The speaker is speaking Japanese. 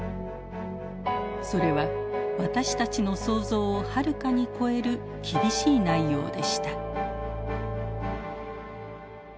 それは私たちの想像をはるかに超える厳しい内容でした。